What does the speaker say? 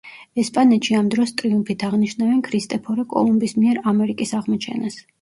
ესპანეთში ამ დროს ტრიუმფით აღნიშნავენ ქრისტეფორე კოლუმბის მიერ ამერიკის აღმოჩენას.